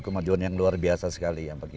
kemajuan yang luar biasa sekali